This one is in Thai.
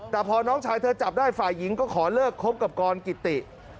แต่พอน้องชายเธอจับได้ฝ่ายหญิงก็ขอเลิกคบกับกรกิติ